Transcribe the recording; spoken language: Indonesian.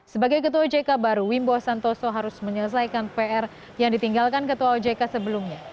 sebagai ketua ojk baru wimbo santoso harus menyelesaikan pr yang ditinggalkan ketua ojk sebelumnya